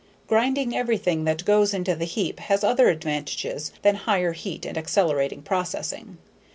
Grinding everything that goes into the heap has other advantages than higher heat and accelerated processing.